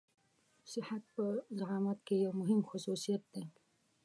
صحت په زعامت کې يو مهم خصوصيت دی.